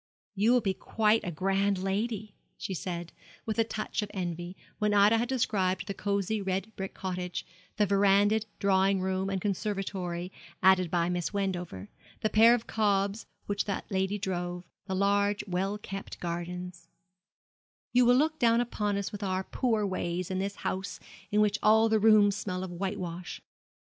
'You will be quite a grand lady,' she said, with a touch of envy, when Ida had described the cosy red brick cottage, the verandahed drawing room and conservatory added by Miss Wendover, the pair of cobs which that lady drove, the large well kept gardens; 'you will look down upon us with our poor ways, and this house, in which all the rooms smell of whitewash.'